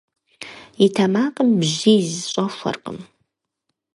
И тэмакъым бжьиз щӀэхуэркъым.